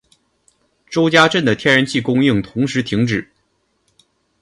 周家镇的天然气供应同时停止。